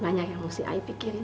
banyak yang harus saya pikirin